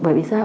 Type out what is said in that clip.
bởi vì sao